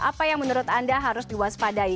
apa yang menurut anda harus diwaspadai